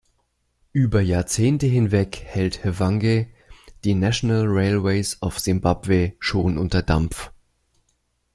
Über Jahrzehnte hinweg hält Hwange die National Railways of Zimbabwe schon unter Dampf.